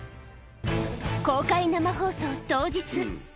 公開生放送当日。